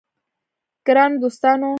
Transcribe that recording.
ګرانو دوستانو!